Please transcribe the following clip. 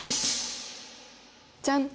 じゃん。